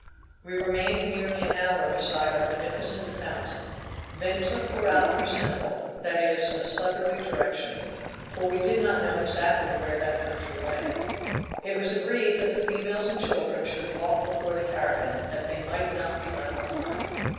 We remained nearly an hour beside our beneficent fountain, then took the route for Senegal; that is, a southerly direction, for we did not know exactly where that country lay. It was agreed that the females and children should walk before the caravan, that they might not be left behind.